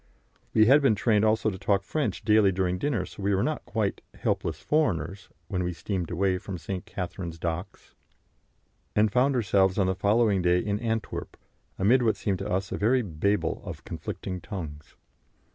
We had been trained also to talk French daily during dinner, so we were not quite "helpless foreigners" when we steamed away from St. Catherine's Docks, and found ourselves on the following day in Antwerp, amid what seemed to us a very Babel of conflicting tongues.